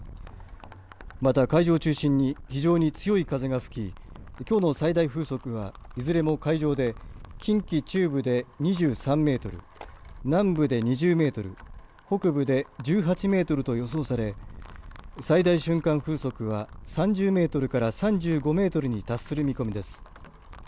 また海上を中心に非常に強い風が吹ききょうの最大風速はいずれも海上で近畿中部で２３メートル南部で２０メートル北部で１８メートルと予想され最大瞬間風速は３０メートルから３５メートルに達する見込みです。